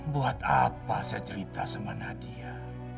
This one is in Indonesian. buat apa saya cerita sama nadia